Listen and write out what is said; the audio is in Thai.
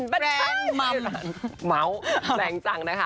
แบบเจ้าแหลงจังนะคะ